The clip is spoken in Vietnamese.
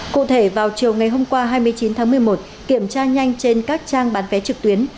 cụ thể vào chiều ngày hôm qua hai mươi chín tháng một mươi một kiểm tra nhanh trên các trang bán vé trực tuyến